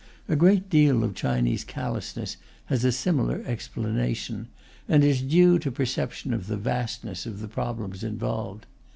A great deal of Chinese callousness has a similar explanation, and is due to perception of the vastness of the problems involved.